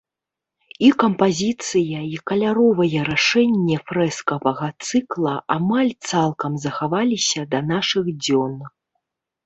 І кампазіцыя, і каляровае рашэнне фрэскавага цыкла амаль цалкам захаваліся да нашых дзён.